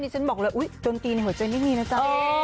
ฉันบอกเลยดนตรีในหัวใจไม่มีนะจ๊ะ